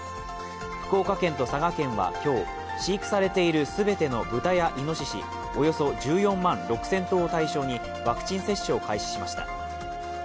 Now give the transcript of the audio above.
福岡県と佐賀県は今日、飼育されている全ての豚やいのしし、およそ１４万６０００頭を対象にワクチン接種を開始しました。